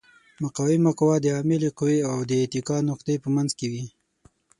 مقاومه قوه د عاملې قوې او د اتکا نقطې په منځ کې وي.